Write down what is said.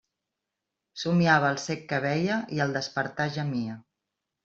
Somniava el cec que veia, i al despertar gemia.